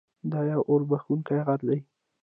دا یو اورښیندونکی غر دی.